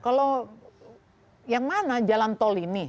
kalau yang mana jalan tol ini